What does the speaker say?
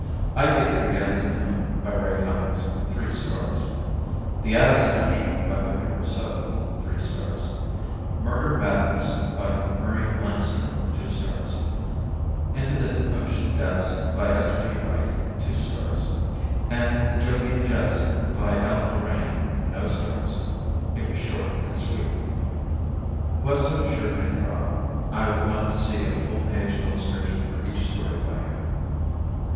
I give "Brigands of the Moon," by Ray Cummings, three stars; "The Atom Smasher," by Victor Rousseau, three stars; "Murder Madness," by Murray Leinster, two stars; "Into the Ocean Depths," by S. P. Wright, two stars, and "The Jovian Jest," by L. Lorraine, no stars. It was short and sweet. Wesso sure can draw. I would like to see a full page illustration for each story by him.